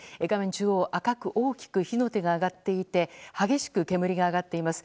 中央、赤く大きく火の手が上がっていて激しく煙が上がっています。